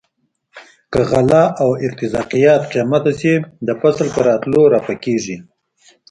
که غله او ارتزاقیات قیمته شي د فصل په راتلو رفع کیږي.